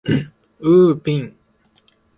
ウーピン